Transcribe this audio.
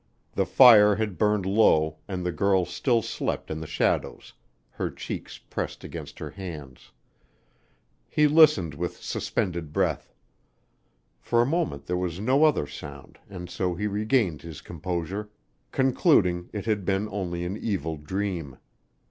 The fire had burned low and the girl still slept in the shadows, her cheeks pressed against her hands. He listened with suspended breath. For a moment there was no other sound and so he regained his composure, concluding it had been only an evil dream.